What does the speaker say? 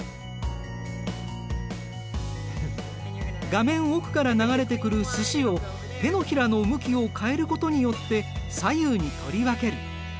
画面奥から流れてくるすしを手のひらの向きを変えることによって左右に取り分ける。